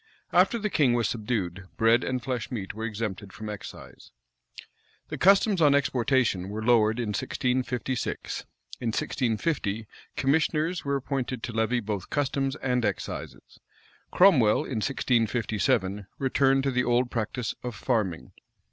After the king was subdued bread and flesh meat were exempted from excise. The customs on exportation were lowered in 1656.[] In 1650, commissioners were appointed to levy both customs and excises. Cromwell, in 1657, returned to the old practice of farming.